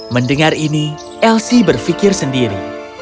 mendengar ini elsie berpikir sendiri